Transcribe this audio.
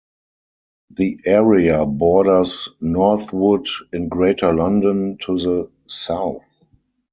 The area borders Northwood in Greater London to the south.